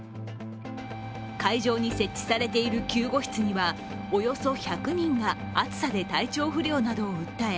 会場に設置されている救護室にはおよそ１００人が暑さで体調不良などを訴え